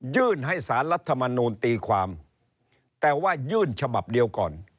ยื่นให้สารรัฐมนูลตีความแต่ว่ายื่นฉบับเดียวก่อน